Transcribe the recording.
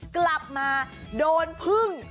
กลับมาโดนพึ่ง